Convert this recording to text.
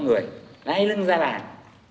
nó hay lưng ra bàn